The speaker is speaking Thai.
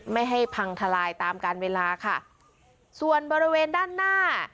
ไม่ให้พังทลายตามการเวลาค่ะส่วนบริเวณด้านหน้า